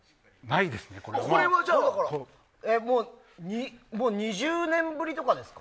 これは２０年ぶりとかですか？